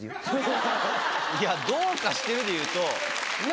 いや、どうかしてるで言うと。